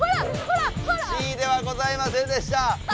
Ｃではございませんでした。